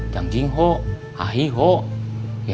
sambil ke homer